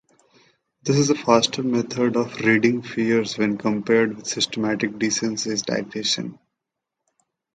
This is a faster method of ridding fears when compared with systematic desensitization.